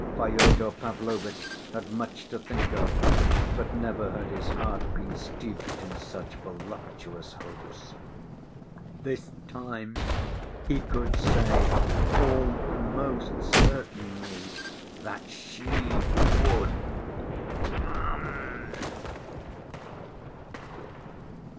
Fyodor Pavlovitch had much to think of, but never had his heart been steeped in such voluptuous hopes. This time he could say almost certainly that she would come!